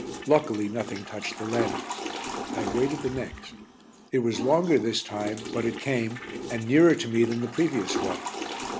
Luckily nothing touched the lens. I awaited the next. It was longer this time, but it came, and nearer to me than the previous one.